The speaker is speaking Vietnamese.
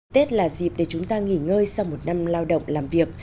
tết là dịp để chúng ta nghỉ ngơi sau một năm lao động làm việc